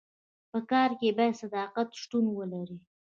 په کار کي باید صداقت شتون ولري.